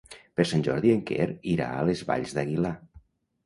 Per Sant Jordi en Quer irà a les Valls d'Aguilar.